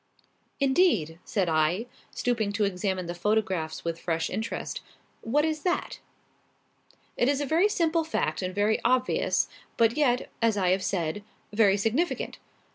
"Indeed!" said I, stooping to examine the photographs with fresh interest; "what is that?" "It is a very simple fact and very obvious, but yet, as I have said, very significant.